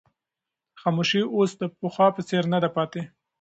خاموشي اوس د پخوا په څېر نه ده پاتې.